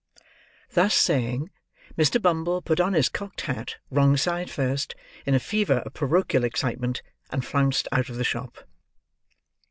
Thus saying, Mr. Bumble put on his cocked hat wrong side first, in a fever of parochial excitement; and flounced out of the shop.